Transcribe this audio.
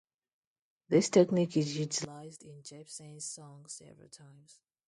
This technique is utilized in Jepsen's song several times.